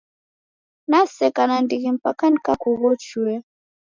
Naseka nandighi mpaka nikakughochuya.